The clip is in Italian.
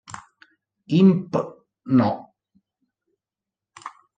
Imp No.